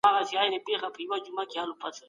داستاني ادبیات مه هېروئ.